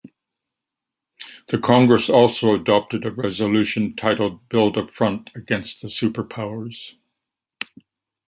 The congress also adopted a resolution titled 'Build a front against the Super Powers'.